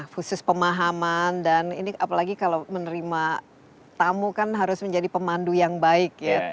khusus pemahaman dan ini apalagi kalau menerima tamu kan harus menjadi pemandu yang baik ya